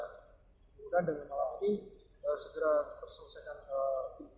kemudian dengan malam ini segera terselesaikan